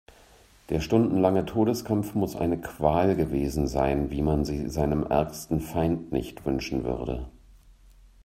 Der stundenlange Todeskampf muss eine Qual gewesen sein, wie man sie seinem ärgsten Feind nicht wünschen würde.